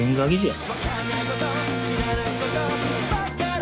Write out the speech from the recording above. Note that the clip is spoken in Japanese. ん？